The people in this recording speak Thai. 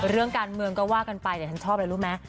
เรื่องการเมืองก็ว่ากันไปแต่ฉันชอบอะไรรู้ไหม